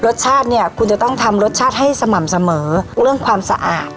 รสชาติเนี่ยคุณจะต้องทำรสชาติให้สม่ำเสมอเรื่องความสะอาด